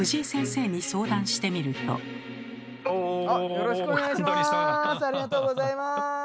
よろしくお願いします。